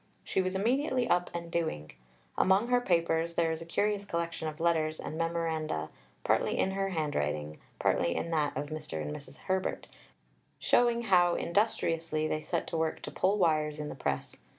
She was immediately up and doing. Among her papers there is a curious collection of letters and memoranda, partly in her handwriting, partly in that of Mr. and Mrs. Herbert, showing how industriously they set to work to pull wires in the press.